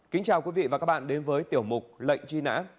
kính chào quý vị và các bạn đến với tiểu mục lệnh truy nã